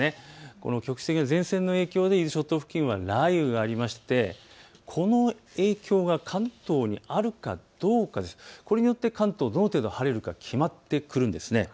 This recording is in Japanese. この局地的な前線の影響で伊豆諸島付近は雷雲がありましてこの影響が関東にあるかどうか、これによって関東、どの程度、晴れるか決まってくるんです。